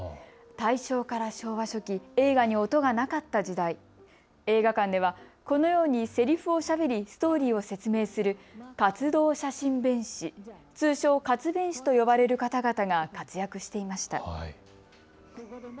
大正から昭和初期、映画に音がなかった時代、映画館ではこのようにセリフをしゃべりストーリーを説明する活動写真弁士、通称、活弁士と呼ばれる方々が活躍していました。